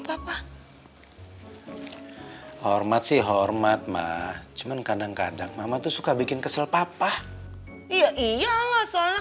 papa hormat sih hormat mah cuma kadang kadang mama tuh suka bikin kesel papa iya iyalah soalnya